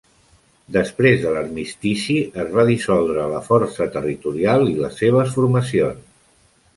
Després de l'armistici, es va dissoldre la Força Territorial i les seves formacions.